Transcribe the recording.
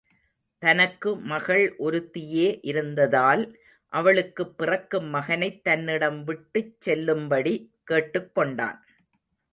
தனக்கு மகள் ஒருத்தியே இருந்ததால் அவளுக்குப் பிறக்கும் மகனைத் தன்னிடம் விட்டுச் செல்லும்படி கேட்டுக் கொண்டான்.